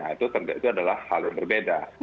nah itu adalah hal yang berbeda